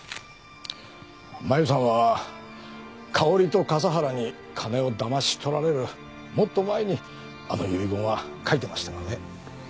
マユさんは香織と笠原に金をだまし取られるもっと前にあの遺言は書いてましたがね。